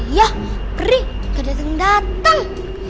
iya peri gak dateng dateng